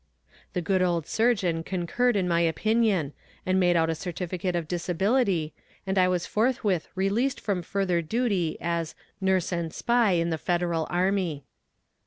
The good old surgeon concurred in my opinion, and made out a certificate of disability, and I was forthwith released from further duty as "Nurse and Spy" in the Federal army.